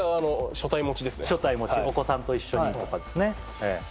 所帯持ちお子さんと一緒にとかですね